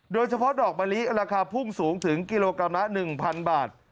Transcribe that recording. โดยเฉพาะดอกมะลิราคาพุ่งสูงถึงกิโลกรัมละ๑๐๐บาท